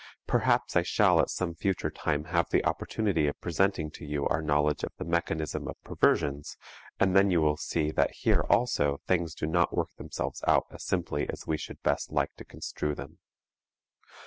Perhaps I shall at some future time have the opportunity of presenting to you our knowledge of the mechanism of perversions and then you will see that here also things do not work themselves out as simply as we should best like to construe them.